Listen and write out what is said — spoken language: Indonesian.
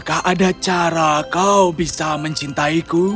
apakah ada cara kau bisa mencintai kakak